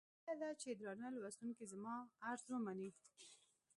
هيله ده چې درانه لوستونکي زما عرض ومني.